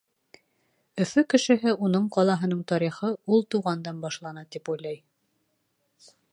Өфө кешеһе уның ҡалаһының тарихы ул тыуғандан башлана, тип уйлай.